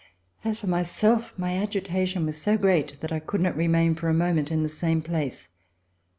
As for myself, my agitation was so great that I could not remain for a moment in the same place.